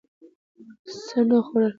څه نه خوړل